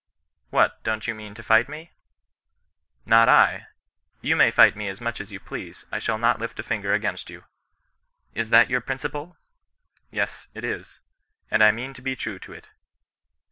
' What, don't you mean to fight mel' ' Not I ; you may fight me as much as you please, I shall not lift up a finger against you.' ^ Is that your principle ]'' Yes, it is ; and I mean to be true to it.'